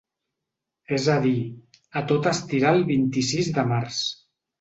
És a dir, a tot estirar el vint-i-sis de març.